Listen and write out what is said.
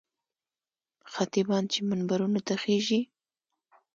خطیبان چې منبرونو ته خېژي.